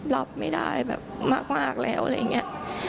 รับไม่ได้แบบมากแล้วอะไรอย่างนี้